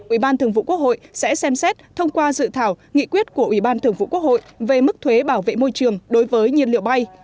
ủy ban thường vụ quốc hội sẽ xem xét thông qua dự thảo nghị quyết của ủy ban thường vụ quốc hội về mức thuế bảo vệ môi trường đối với nhiên liệu bay